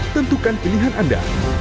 tentukan pilihan anda